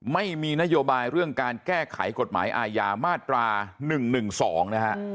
ไม่มีนโยบายเรื่องการแก้ไขกฎหมายอาญามาตรา๑๑๒นะฮะ